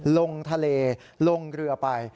ลงทะเลลงเรือไป